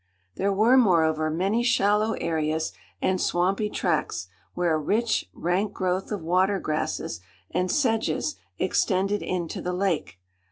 There were, moreover, many shallow areas and swampy tracts where a rich, rank growth of water grasses and sedges extended into the lake.